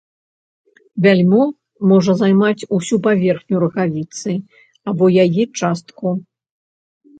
Бяльмо можа займаць усю паверхню рагавіцы або яе частку.